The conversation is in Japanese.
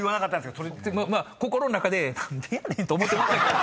まあ心ん中で何でやねんと思ってましたけど。